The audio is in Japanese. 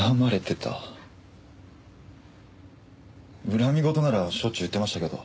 恨み言ならしょっちゅう言ってましたけど。